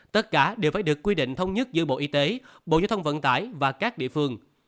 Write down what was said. tất cả đều phải được quy định thông nhất giữa bộ y tế bộ giao thông vận tải và các địa phương